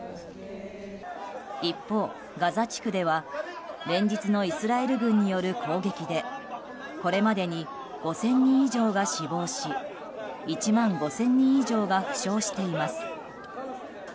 一方、ガザ地区では連日のイスラエル軍による攻撃でこれまでに５０００人以上が死亡し１万５０００人以上が負傷しています。